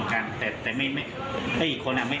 เขาแทงครับโฟนเห้ย